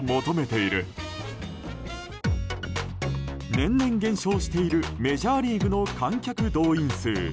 年々減少しているメジャーリーグの観客動員数。